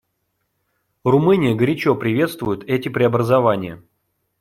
Румыния горячо приветствует эти преобразования.